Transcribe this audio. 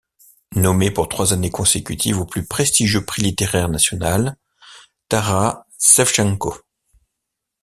Nommé pour trois années consécutives au plus prestigieux prix littéraire national “Taras Shevchenko”.